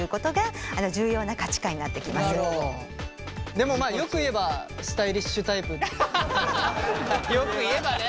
でもまあよく言えばよく言えばね。